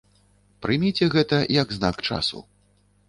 Прыміце гэта як знак часу.